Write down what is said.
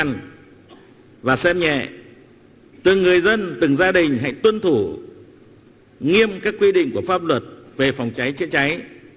nhân dịp này từng người dân từng gia đình hãy tuân thủ nghiêm các quy định của pháp luật về phòng cháy chữa cháy